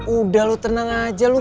udah lu tenang aja